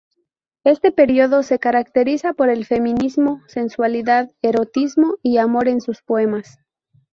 Este periodo se caracteriza por el feminismo, sensualidad, erotismo y amor en sus poemas.